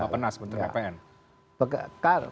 pak penas betul betul ppn